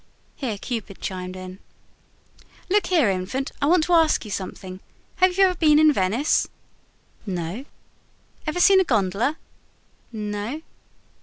Here Cupid chimed in. "Look here, Infant, I want to ask you something. Have you ever been in Venice?" "No." "Ever seen a gondola?" "No."